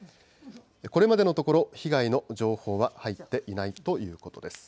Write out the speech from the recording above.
これまでのところ、被害の情報は入っていないということです。